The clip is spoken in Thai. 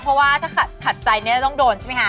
เพราะว่าถ้าขัดใจเนี่ยจะต้องโดนใช่ไหมคะ